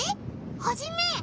ハジメ！